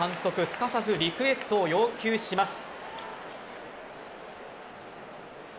すかさずリクエストを要求します。